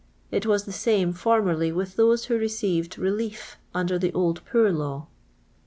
It was the same formerly with those who received " relief'* under the old Poor Lnw.